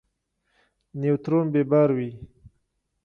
نیوترون بې بار وي.